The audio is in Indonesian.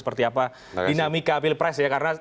seperti apa dinamika pilpres ya karena